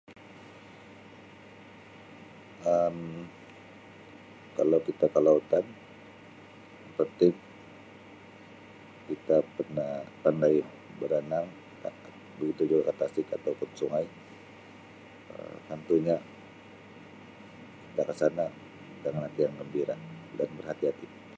Um Kalau kita ke lautan apa tu, kita kena pandai berenang begitu juga ke tasik atau pun sungai Um tentunya kita ke sana dengan hati yang gembira dan berhati-hati.